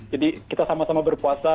jadi kita sama sama berpuasa